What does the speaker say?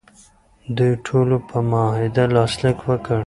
دوی ټولو په معاهده لاسلیک وکړ.